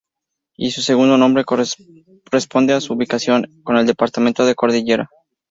Y su segundo nombre responde a su ubicación, en el departamento de Cordillera.